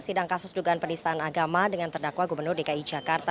sidang kasus dugaan penistaan agama dengan terdakwa gubernur dki jakarta